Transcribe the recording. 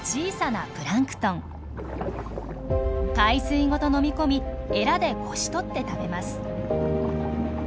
海水ごと飲み込みエラでこしとって食べます。